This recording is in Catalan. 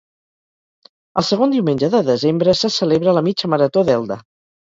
El segon diumenge de desembre se celebra la Mitja Marató d'Elda.